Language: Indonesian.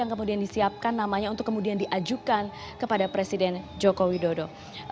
yang kemudian disiapkan namanya untuk kemudian diajukan kepada presiden joko widodo